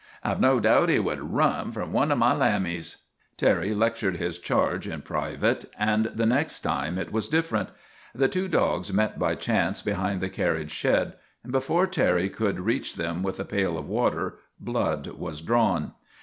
' I ' ve no doubt he would run from one of my Iambics." Terry lectured his charge in private and the next time it was different. The two dogs met by chance behind the carriage shed, and, before Terry could reach them with a pail of water, blood was drawn.